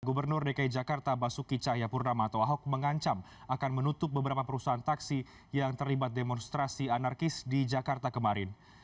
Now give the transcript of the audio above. gubernur dki jakarta basuki cahayapurnama atau ahok mengancam akan menutup beberapa perusahaan taksi yang terlibat demonstrasi anarkis di jakarta kemarin